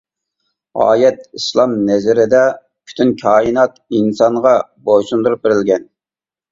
ئايەت ئىسلام نەزىرىدە پۈتۈن كائىنات ئىنسانغا بويسۇندۇرۇپ بېرىلگەن.